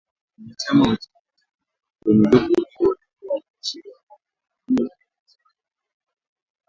Wanachama wa chama cha jamhuri kwenye jopo hilo walikuwa wameashiria kwamba wangempinga katika masuala mbalimbali